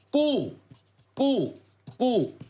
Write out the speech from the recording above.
กู้กู้กู้